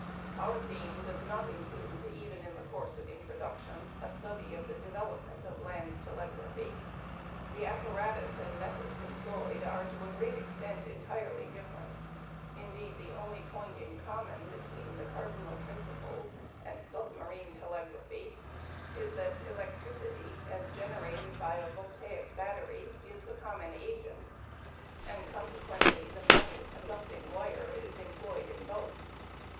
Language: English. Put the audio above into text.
Our theme does not include even in the course of introduction a study of the development of land telegraphy. The apparatus and methods employed are, to a great extent, entirely different; indeed, the only point in common between the cardinal principles and submarine telegraphy is that electricity, as generated by a voltaic battery, is the common agent, and consequently the metal conducting wire is employed in both.